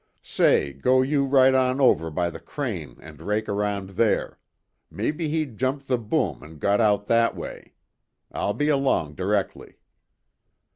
"Say, go you right on over by the crane and rake around there. Maybe he jumped the boom and got out that way. I'll be along directly."